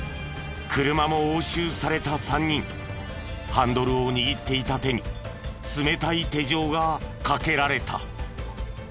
ハンドルを握っていた手に冷たい手錠がかけられた。